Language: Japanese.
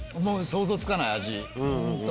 想像つかない味。